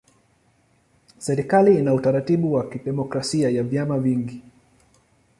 Serikali ina utaratibu wa kidemokrasia ya vyama vingi.